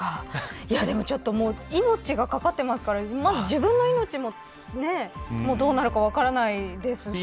命がかかっていますからまず自分の命もどうなるか分からないですし。